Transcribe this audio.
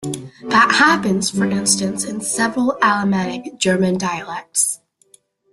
That happens, for instance, in several Alemannic German dialects.